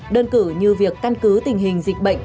đơn cử như việc căn cứ tình hình dịch bệnh